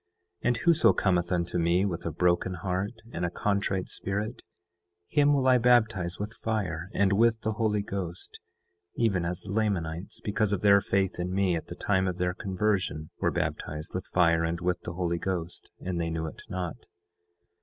And whoso cometh unto me with a broken heart and a contrite spirit, him will I baptize with fire and with the Holy Ghost, even as the Lamanites, because of their faith in me at the time of their conversion, were baptized with fire and with the Holy Ghost, and they knew it not.